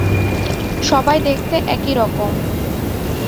সবাই দেখতে একই রকম।